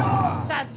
社長！